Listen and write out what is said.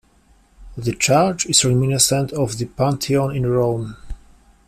The church is reminiscent of the Pantheon in Rome.